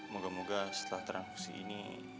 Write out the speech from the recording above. moga moga setelah transisi ini